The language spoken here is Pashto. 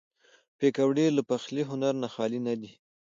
پکورې له پخلي هنر نه خالي نه دي